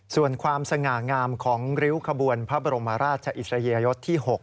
ส่วนความสง่างามของริ้วขบวนพระบรมราชอิสริยยศที่๖